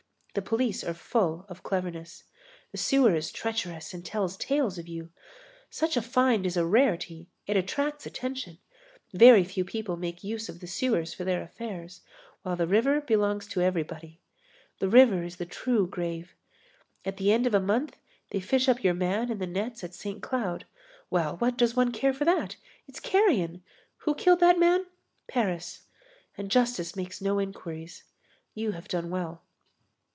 The police are full of cleverness. The sewer is treacherous and tells tales of you. Such a find is a rarity, it attracts attention, very few people make use of the sewers for their affairs, while the river belongs to everybody. The river is the true grave. At the end of a month they fish up your man in the nets at Saint Cloud. Well, what does one care for that? It's carrion! Who killed that man? Paris. And justice makes no inquiries. You have done well."